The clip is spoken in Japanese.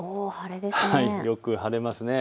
よく晴れます。